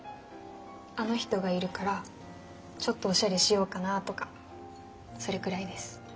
あの人がいるからちょっとおしゃれしようかなとかそれくらいです。